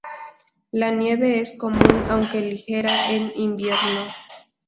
La nieve es común, aunque ligera, en invierno.